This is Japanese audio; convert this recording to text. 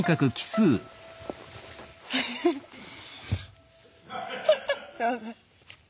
すいません。